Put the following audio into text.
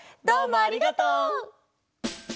どうもありがとう！